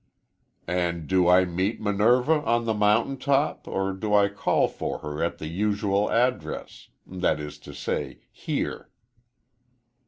"And do I meet Minerva on the mountain top, or do I call for her at the usual address that is to say, here?"